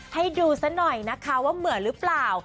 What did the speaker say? ให้ดูซะหน่อยนะคะว่าเหมือนหรือเปล่า